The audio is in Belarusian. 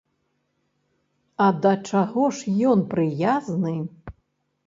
А да чаго ж ён прыязны?